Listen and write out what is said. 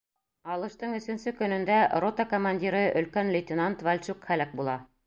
Алыштың өсөнсө көнөндә рота командиры өлкән лейтенант Вальчук һәләк була.